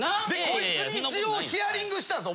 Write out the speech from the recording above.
こいつに一応ヒヤリングしたんです。